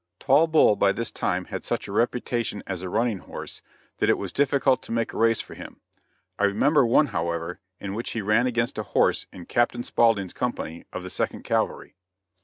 Tall Bull by this time had such a reputation as a running horse, that it was difficult to make a race for him. I remember one however, in which he ran against a horse in Captain Spaulding's Company of the Second Cavalry.